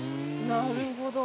なるほど。